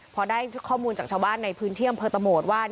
พอได้ข้อมูลจากชาวบ้านในพื้นที่อำเภอตะโหมดว่า